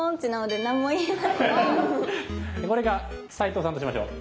これが齋藤さんとしましょう。